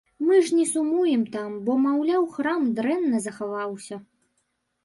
Мы ж не сумуем там, бо, маўляў, храм дрэнна захаваўся!